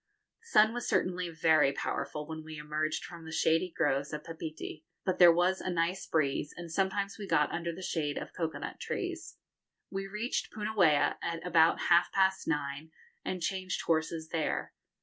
The sun was certainly very powerful when we emerged from the shady groves of Papeete, but there was a nice breeze, and sometimes we got under the shade of cocoa nut trees. We reached Punauia at about half past nine, and changed horses there.